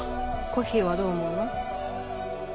コッヒーはどう思うの？